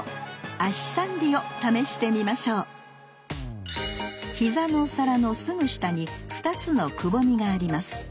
「足三里」を試してみましょう膝のお皿のすぐ下に２つのくぼみがあります。